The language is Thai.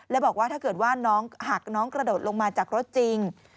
และบอกว่าถ้าเกิดว่าน้องหักน้องกระโดดลงมาจากรถจริง